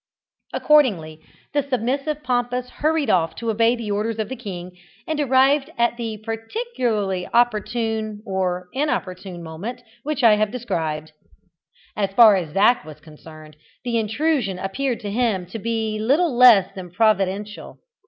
Accordingly, the submissive Pompous hurried off to obey the orders of the king, and arrived at the particularly opportune or inopportune moment which I have described. As far as Zac was concerned, the intrusion appeared to him to be little less than providential.